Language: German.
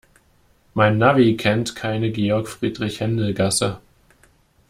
Mein Navi kennt keine Georg-Friedrich-Händel-Gasse.